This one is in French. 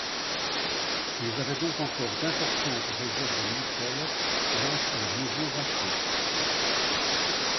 Ils avaient donc encore d'importantes réserves militaires, grâce à leurs nouveaux vassaux.